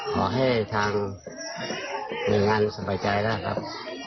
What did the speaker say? ขอให้ทางจักรมีงานสบายใจครับ